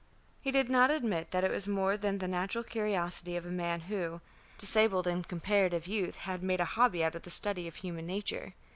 He did not admit that it was more than the natural curiosity of a man who, disabled in comparative youth, had made a hobby out of the study of human nature.